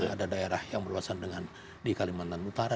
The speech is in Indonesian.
ada daerah yang berurusan dengan di kalimantan utara